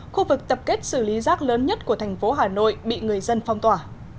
khu vực tập kết xử lý rác lớn nhất của thành phố hà nội bị người dân phong tỏa